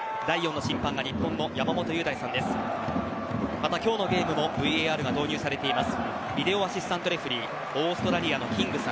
また、今日のゲームもＶＡＲが導入されています。